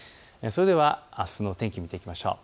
それではあすの天気を見ていきましょう。